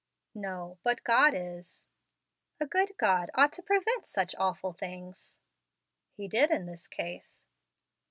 "No; but God is." "A good God ought to prevent such awful things." "He did, in this case."